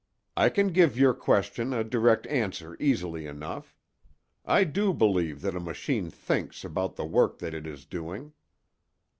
I can give your question a direct answer easily enough: I do believe that a machine thinks about the work that it is doing."